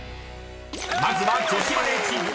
［まずは女子バレーチーム。